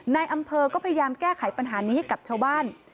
ในอำเภอก็พยายามแก้ไขปัญหานี้ให้กับชาวบ้าน